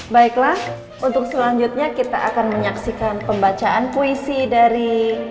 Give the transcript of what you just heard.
baiklah untuk selanjutnya kita akan menyaksikan pembacaan puisi dari